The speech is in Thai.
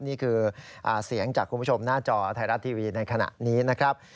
นี่คือเสียงจากคุณผู้ชมหน้าจอไทยรัฐทีวีในขณะนี้นะครับ